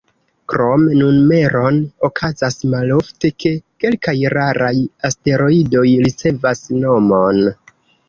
Krom numeron, okazas malofte, ke kelkaj raraj asteroidoj ricevas nomon.